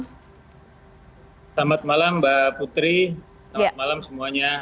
selamat malam mbak putri selamat malam semuanya